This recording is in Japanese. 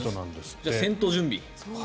じゃあ戦闘準備。